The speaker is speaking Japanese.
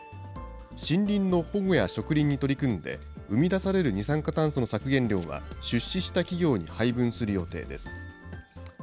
森林の保護や植林に取り組んで、生み出される二酸化炭素の削減量は、出資した企業に配分する予定です。